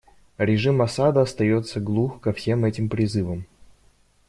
Режим Асада остается глух ко всем этим призывам.